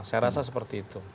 saya rasa seperti itu